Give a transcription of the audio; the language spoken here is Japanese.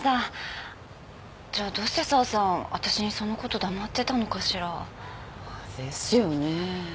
じゃあどうして沢さんわたしにそのこと黙ってたのかしら？ですよね。